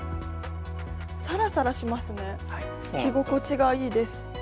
サラサラしますね、着心地がいいです。